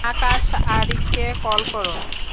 আকাশ আরিককে কল করো।